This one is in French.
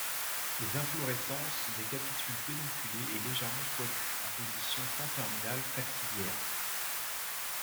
Les inflorescences sont des capitules pédonculés et légèrement poilus, en position tant terminale qu'axillaire.